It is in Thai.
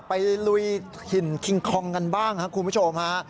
ลุยหินคิงคองกันบ้างครับคุณผู้ชมฮะ